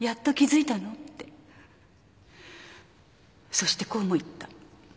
そしてこうも言った。